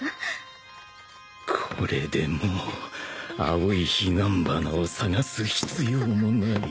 これでもう青い彼岸花を探す必要もない。